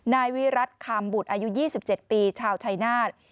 นายวิรัติคามบุตรอายุ๒๗ปีชาวชายนาฏ